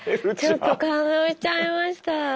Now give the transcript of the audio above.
ちょっと感動しちゃいました。